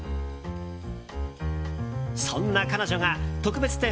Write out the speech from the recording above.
そんな彼女が特別展